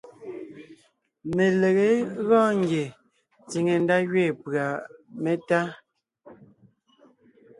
Melegé gɔɔn ngie tsìŋe ndá gẅiin pʉ̀a métá.